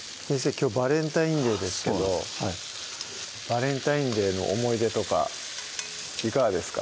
きょうバレンタインデーですけどバレンタインデーの思い出とかいかがですか？